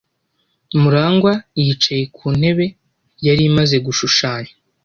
Murangwa yicaye ku ntebe yari imaze gushushanya.